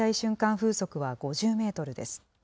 風速は５０メートルです。